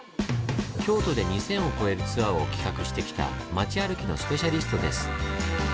京都で２，０００を超えるツアーを企画してきた町歩きのスペシャリストです。